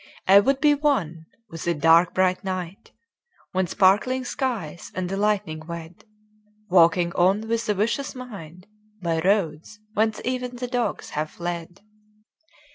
I would be one with the dark bright night When sparkling skies and the lightning wed— Walking on with the vicious wind By roads whence even the dogs have fled.